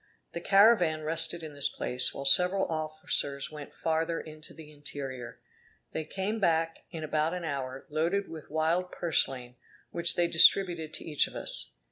The caravan rested in this place, while several officers went farther into the interior. They came back in about an hour, loaded with wild purslain, which they distributed to each of us.